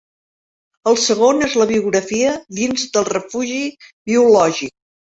El segon és la biologia dins del refugi biològic.